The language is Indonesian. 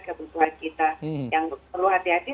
kebutuhan kita yang perlu hati hati